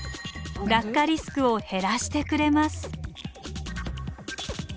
落下リスクを減らしてくれます。